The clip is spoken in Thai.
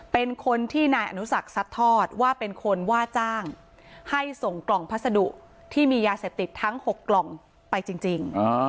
เป็นคนที่นายอนุสักซัดทอดว่าเป็นคนว่าจ้างให้ส่งกล่องพัสดุที่มียาเสพติดทั้ง๖กล่องไปจริง